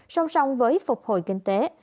song song với phục hồi kinh tế